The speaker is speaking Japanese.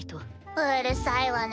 うるさいわね